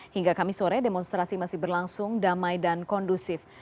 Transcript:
hingga kamis sore demonstrasi masih berlangsung damai dan kondusif